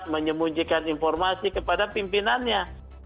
menyembunyikan informasi kepada pimpinannya